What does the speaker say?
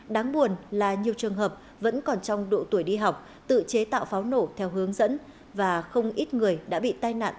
đáng buồn là nhiều trường hợp vẫn còn trong độ tuổi đi học tự chế tạo pháo nổ theo hướng dẫn và không ít người đã bị tai nạn